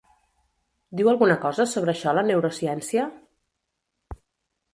Diu alguna cosa sobre això la neurociència?